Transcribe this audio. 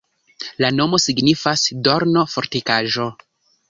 La nomo signifas: dorno-fortikaĵo.